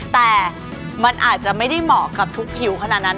แต่มันอาจจะไม่ได้เหมาะกับทุกผิวขนาดนั้น